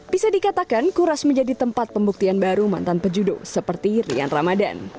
bisa dikatakan couras menjadi tempat pembuktian baru mantan pejudo seperti rian ramadan